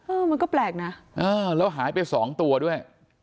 มันก็แปลกนะเออแล้วหายไปสองตัวด้วย